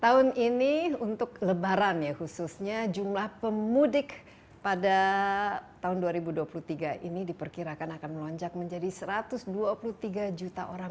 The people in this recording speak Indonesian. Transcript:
tahun ini untuk lebaran ya khususnya jumlah pemudik pada tahun dua ribu dua puluh tiga ini diperkirakan akan melonjak menjadi satu ratus dua puluh tiga juta orang